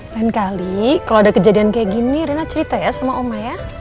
lain kali kalo ada kejadian kaya gini rena cerita ya sama oma ya